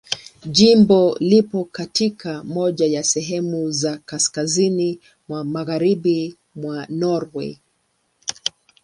Jimbo lipo katika moja ya sehemu za kaskazini mwa Magharibi mwa Norwei.